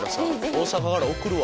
大阪から送るわ。